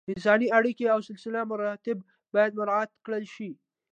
انساني اړیکې او سلسله مراتب باید مراعت کړل شي.